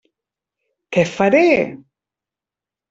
Què faré?